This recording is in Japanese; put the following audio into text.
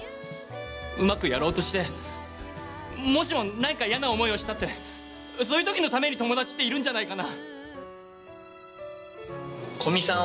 うまくやろうとしてもしも何か嫌な思いをしたってそういう時のために友達っているんじゃないかな？